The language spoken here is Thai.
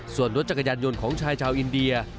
ส่วนรถจักรยานยนต์ของชายชาวอินเดีย